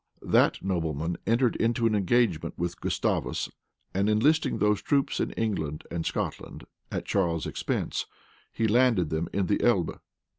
That nobleman entered into an engagement with Gustavus; and enlisting these troops in England and Scotland, at Charles's expense, he landed them in the Elbe.